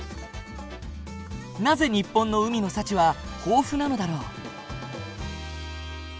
なぜ日本の海の幸は豊富なのだろう？